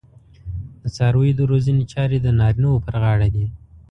د څارویو د روزنې چارې د نارینه وو پر غاړه دي.